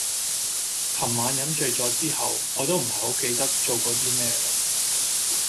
琴晚飲醉咗之後我都唔係好記得做過啲咩啦